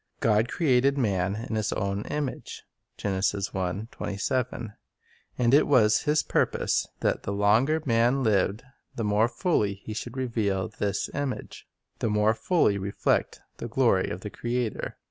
"God created man in His own image, f 0r Man and it was His purpose that the longer man lived, the more fully he should reveal this image, — the more fully reflect the glory of the Creator.